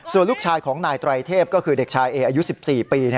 ส่วนลูกชายของนายไตรเทพก็คือเด็กชายเออายุ๑๔ปี